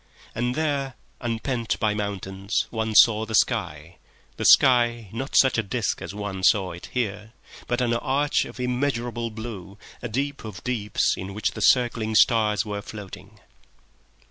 And there, unpent by mountains, one saw the sky—the sky, not such a disc as one saw it here, but an arch of immeasurable blue, a deep of deeps in which the circling stars were floating